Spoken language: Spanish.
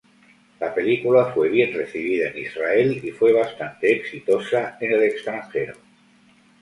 La película fue bien recibida en Israel y fue bastante exitosa en el extranjero.